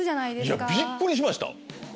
いやびっくりしました！